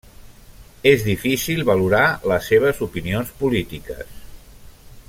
És difícil valorar les seves opinions polítiques.